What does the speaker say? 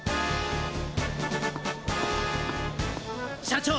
社長！